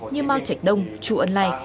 như mao trạch đông chu ân lạc